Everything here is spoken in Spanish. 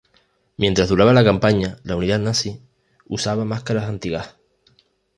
Mientras duraba la campaña, la unidad nazi usaba máscaras antigás.